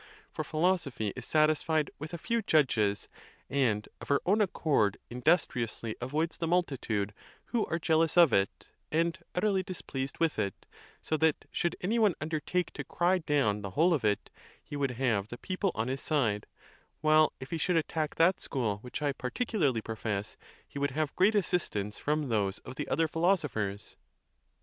For philosophy is satisfied with a few judges, and of her own accord industriously avoids the multitude, who are jealous of it, and utterly displeased with it; so that, should any one undertake to cry down the whole of it, he would have the people on his side; while, if he should attack that school which I par ticularly profess, he would have great assistance from those of the other philosophers.